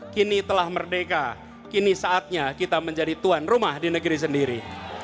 kini telah merdeka kini saatnya kita menjadi tuan rumah di negeri sendiri